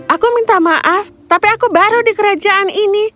aku minta maaf tapi aku baru di kerajaan ini